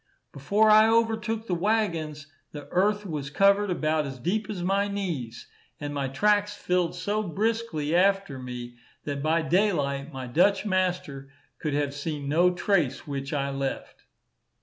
Before I overtook the waggons, the earth was covered about as deep as my knees; and my tracks filled so briskly after me, that by daylight, my Dutch master could have seen no trace which I left.